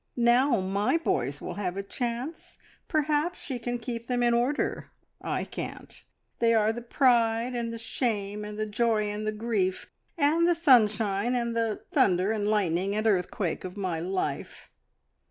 Now my boys will have a chance! Perhaps she can keep them in order I can't! They are the pride and the shame, and the joy and the grief, and the sunshine and the thunder and lightning and earthquake of my life.